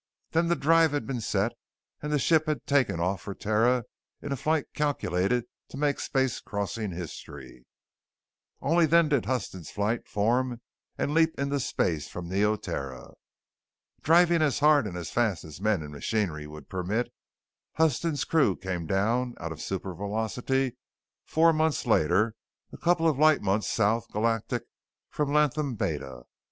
Then the drive had been set and the ship had taken off for Terra in a flight calculated to make space crossing history. Only then did Huston's flight form and leap into space from Neoterra. Driving as hard and as fast as men and machinery would permit, Huston's crew came down out of supervelocity four months later, a couple of light months South Galactic from Latham Beta.